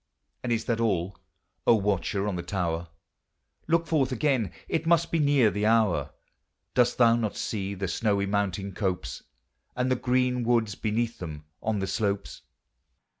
And is that all, O watcher on the tower? Look forth again; it must be near the hour; Dost thou not see the snowy mountain copes, And the green woods beneath them on the slopes?